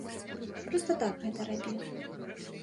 Проста так гэта рабіў.